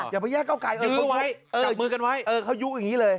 อย่าไปแยกเก้าไก่กับมือกันไว้เขายุ๊กอย่างนี้เลย